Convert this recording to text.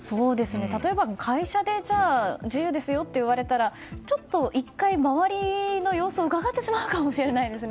例えば、会社で自由ですよと言われたらちょっと１回、周りの様子をうかがってしまうかもしれないですね。